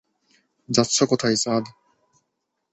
যাচ্ছ কোথায় চাঁদ?